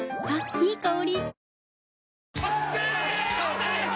いい香り。